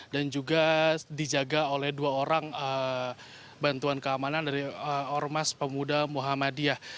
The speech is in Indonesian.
dan juga dijaga oleh dua orang bantuan keamanan dari ormas pemuda muhammadiyah